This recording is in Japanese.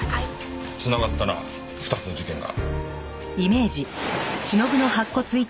繋がったな２つの事件が。